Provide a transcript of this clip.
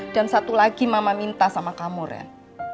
dan satu lagi mama minta sama kamu ren